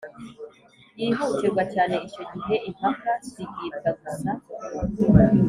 yihutirwa cyane Icyo gihe impaka zigibwa gusa